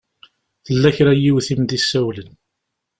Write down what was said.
Tella kra n yiwet i m-d-isawlen.